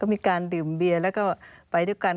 ก็มีการดื่มเบียนแล้วก็ไปเดียวกัน